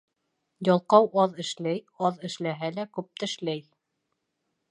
Ялҡау аҙ эшләй, аҙ эшләһә лә күп тешләй.